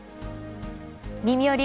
「みみより！